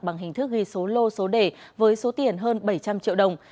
bằng hình thức ghi số lô số đề với số tiền hơn bảy trăm linh triệu đồng